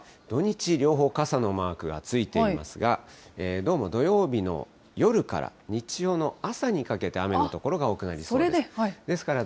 土日、両方傘のマークがついていますが、どうも土曜日の夜から日曜の朝にかけて雨の所が多くなりそうです。